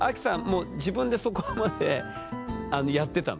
もう自分でそこまであのやってたの？